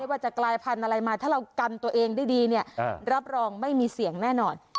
ด้วยว่าจะกลายภัณฑ์อะไรมาถ้าเรากำตัวเองได้ดีรับรองไม่มีเสี่ยงแน่นอน